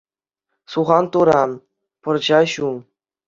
Сухан тура, пӑрҫа ҫу.